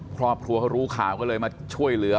ครอบครัวเขารู้ข่าวก็เลยมาช่วยเหลือ